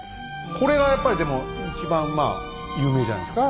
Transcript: これがやっぱりでも一番まあ有名じゃないですか？